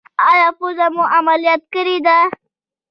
ایا پوزه مو عملیات کړې ده؟